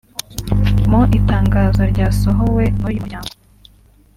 Mu itangazo ryasohowe n’uyu muryango